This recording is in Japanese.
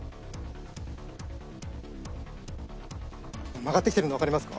曲がってきてるのわかりますか？